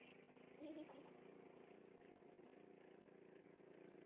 イヒヒヒ。